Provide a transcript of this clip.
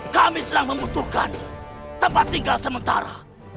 kami sedang membutuhkan tempat tinggal sementara